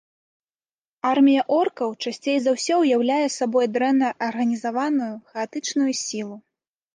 Армія оркаў часцей за ўсё ўяўляе сабой дрэнна арганізаваную, хаатычнай сілу.